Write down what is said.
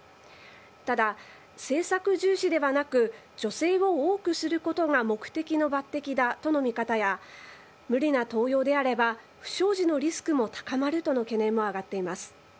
ただ政策重視ではなく女性を多くすることが目的の抜てきだとの見方や無理な登用であれば不祥事のリスクも高まるとの懸念も上がっています。